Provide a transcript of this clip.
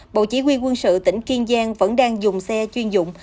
bộ chỉ huy quân sự tỉnh kiên giang vẫn đang dùng xe chuyên dụng